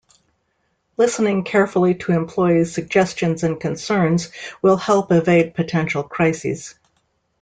Listening carefully to employees' suggestions and concerns will help evade potential crises.